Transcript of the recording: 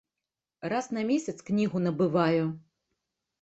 Раз на месяц кнігу набываю.